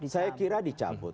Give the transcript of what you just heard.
saya kira dicabut